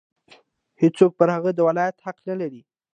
هېڅوک پر هغه د ولایت حق نه لري.